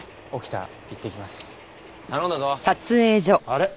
あれ？